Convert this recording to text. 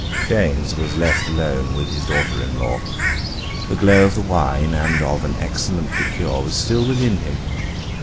James was left alone with his daughter in law. The glow of the wine, and of an excellent liqueur, was still within him.